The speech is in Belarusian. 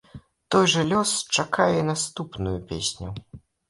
Той жа лёс чакае і наступную песню.